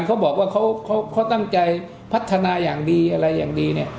เขาบอกว่าเขาตั้งใจพัฒนาอย่างดีอะไรอย่างดีเนี่ย